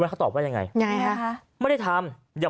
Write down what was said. มั้ยเขาตอบว่ายังไงยังมั้ยฮะไม่ได้ทำอย่า